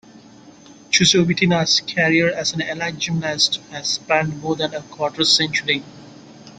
Chusovitina's career as an elite gymnast has spanned more than a quarter century.